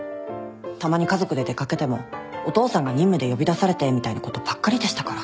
たまに家族で出掛けてもお父さんが任務で呼び出されてみたいなことばっかりでしたから。